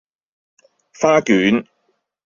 花卷